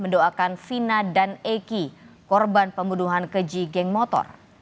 dan eki korban pembunuhan keji geng motor